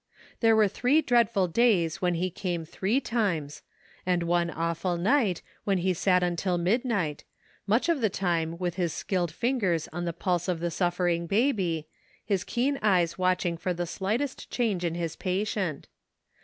There were three dreadful days when he came three times, and one awful night when he sat until midnight, much of the time with his skilled lingers on the pulse of the suffering baby, his keen eyes watch ing for the slightest change in his patient.